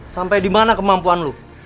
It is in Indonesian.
sampai di mana kemampuan lo